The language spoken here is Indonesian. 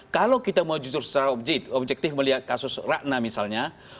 kalau kita mau justru secara objektif melihat kasus ratna misalnya